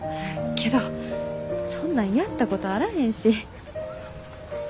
けどそんなんやったことあらへんし。